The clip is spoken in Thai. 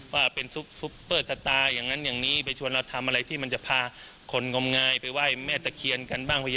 ว่าเป็นซุปเปอร์สตาร์อย่างนั้นอย่างนี้ไปชวนเราทำอะไรที่มันจะพาคนงมงายไปไหว้แม่ตะเคียนกันบ้าง